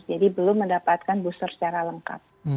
jadi belum mendapatkan booster secara lengkap